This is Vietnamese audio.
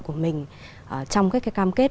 của mình trong các cái cam kết